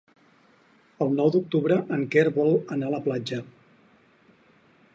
El nou d'octubre en Quer vol anar a la platja.